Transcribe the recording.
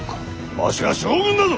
わしは将軍だぞ！